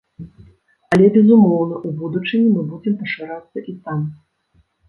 Але, безумоўна, у будучыні мы будзем пашырацца і там.